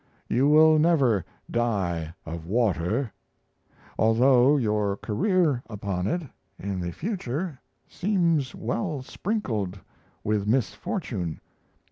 You will never die of water, although your career upon it in the future seems well sprinkled with misfortune.